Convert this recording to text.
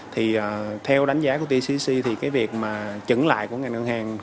thì theo đánh giá của tcc thì cái việc mà trứng lại của ngành ngân hàng